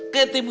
ke temu itu